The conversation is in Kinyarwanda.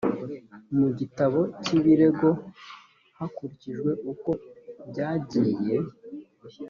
mu gitabo cy ibirego hakurikijwe uko byagiye